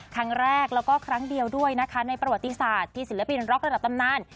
ครั้งแรกแล้วก็ครั้งเดียวด้วยนะคะในประวัติศาสตร์ที่ศิลปินร็อกระดับตำนาน